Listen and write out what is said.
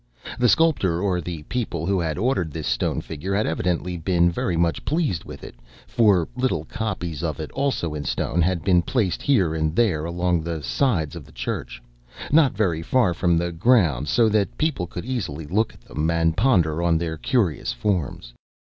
The sculptor, or the people who had ordered this stone figure, had evidently been very much pleased with it, for little copies of it, also in stone, had been placed here and there along the sides of the church, not very far from the ground, so that people could easily look at them, and ponder on their curious forms.